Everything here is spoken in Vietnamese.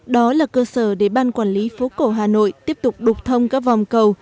đó là cơ sở để ban quản lý phố cổ hà nội tiếp tục đục thông các vòng cầu